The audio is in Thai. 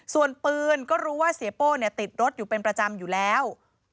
ส่วนปืนก็รู้ว่าเสียโป้ติดรถอยู่เป็นประจำอยู่แล้ว